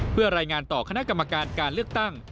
เพื่อรายงานต่อคณะกรรมการการเลือกตั้ง